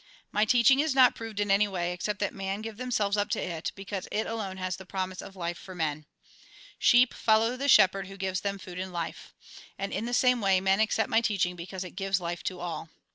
My teaching is not proved in any way, except that men give them selves up to it, because it alone has the promise of life for men. " Sheep follow the shepherd, who gives them food and life ; and in the same way, men accept my teaching because it gives life to all.